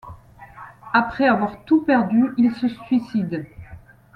Après avoir tout perdu, il se suicide.